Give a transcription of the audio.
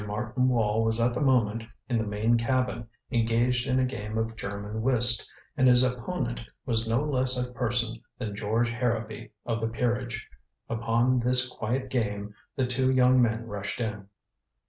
Martin Wall was at the moment in the main cabin engaged in a game of German whist, and his opponent was no less a person than George Harrowby of the peerage. Upon this quiet game the two young men rushed in.